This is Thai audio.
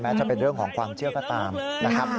จะเป็นเรื่องของความเชื่อก็ตามนะครับ